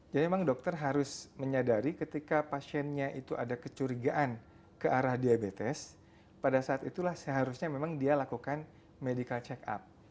jadi memang dokter harus menyadari ketika pasiennya itu ada kecurigaan ke arah diabetes pada saat itulah seharusnya memang dia lakukan medical check up